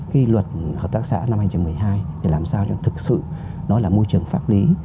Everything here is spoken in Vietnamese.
cái luật hợp tác xã năm hai nghìn một mươi hai để làm sao cho thực sự nó là môi trường pháp lý